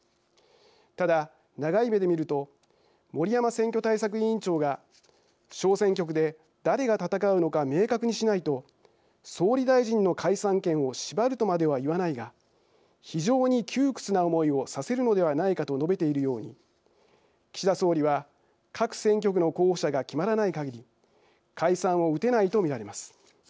ただ長い目で見ると森山選挙対策委員長が「小選挙区で誰が戦うのか明確にしないと総理大臣の解散権を縛るとまでは言わないが非常に窮屈な思いをさせるのではないか」と述べているように岸田総理は各選挙区の候補者が決まらないかぎり解散を打てないと見られます。